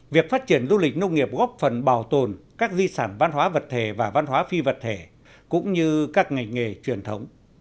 việc phát triển du lịch nông nghiệp góp phần bảo tồn các di sản văn hóa vật thể và văn hóa phi vật thể cũng như các ngành nghề truyền thống